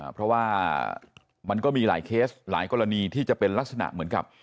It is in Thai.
เพราะว่ามันก็มีหลายเคสหลายกรณีที่จะเป็นลักษณะเหมือนกับ